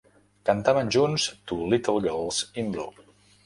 Cantaven junts "Two Little Girls in Blue".